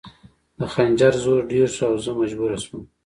د خنجر زور ډېر شو او زه مجبوره شوم